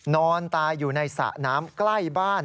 นอนตายอยู่ในสระน้ำใกล้บ้าน